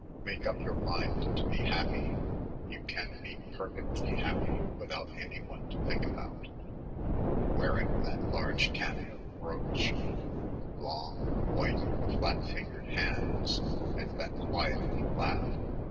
"Make up your mind to be happy. You can be perfectly happy without anyone to think about...." Wearing that large cameo brooch long, white, flat fingered hands and that quiet little laugh....